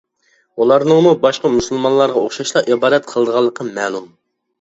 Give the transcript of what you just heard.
ئۇلارنىڭمۇ باشقا مۇسۇلمانلارغا ئوخشاشلا ئىبادەت قىلىدىغانلىقى مەلۇم.